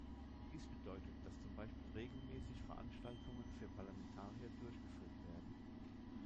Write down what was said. Dies bedeutet, dass zum Beispiel regelmäßig Veranstaltungen für Parlamentarier durchgeführt werden.